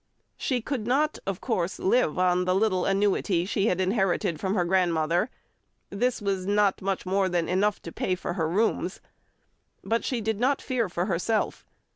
She could not, of course, live on the little annuity she inherited from her grandmother; this was not much more than enough to pay for her rooms. But she did not fear for herself.